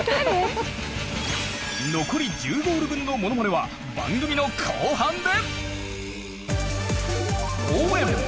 残り１０ゴール分のものまねは番組の後半で。